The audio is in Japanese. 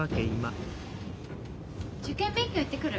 受験勉強行ってくる。